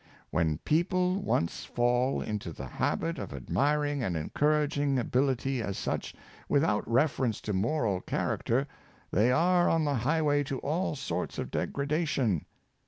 " When people once fall into the habit of admiring and encouraging ability as such, 304 Self respect, without reference to moral character they are on the highway to all sorts of degradation.